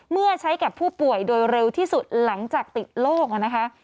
เมื่อใช้กับผู้ป่วยโดยเร็วที่สุดหลังจากติดโรคนะคะ